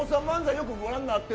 よくご覧になってる。